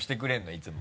いつも。